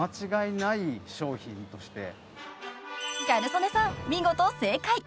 ［ギャル曽根さん見事正解！］